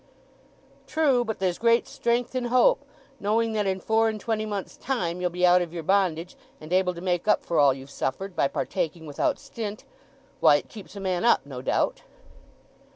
"True.... But there's great strength in hope. Knowing that in four and twenty months' time ye'll be out of your bondage, and able to make up for all you've suffered, by partaking without stint—why, it keeps a man up, no doubt."